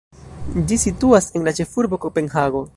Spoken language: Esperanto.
Ĝi situas en la ĉefurbo Kopenhago.